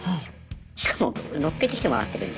しかも乗っけてきてもらってるんで。